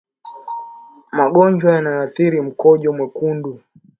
Magonjwa yanayoathiri mkojo mwekundu